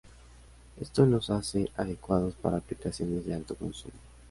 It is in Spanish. Esto los hace adecuados para aplicaciones de alto consumo.